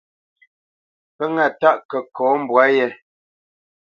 Pə́ ŋâ tâʼ kəkɔ mbwǎ yé.